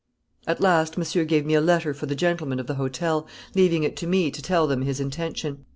At last Monsieur gave me a letter for the gentlemen of the Hotel, leaving it to me to tell them his intention.